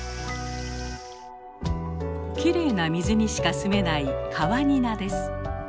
きれいな水にしか住めないカワニナです。